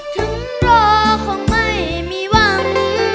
ถึงรอคงไม่มีหวัง